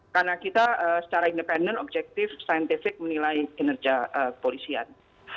karena kita secara independen objektif saintifik menilai kinerja kepolisian